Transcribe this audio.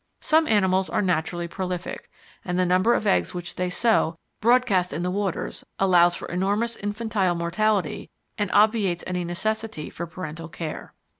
Some animals are naturally prolific, and the number of eggs which they sow broadcast in the waters allows for enormous infantile mortality and obviates any necessity for parental care.